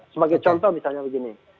sebagai contoh misalnya begini